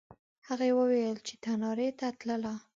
هغې وویل چې تنارې ته تلله.